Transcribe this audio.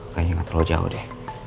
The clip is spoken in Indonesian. kayaknya nggak terlalu jauh deh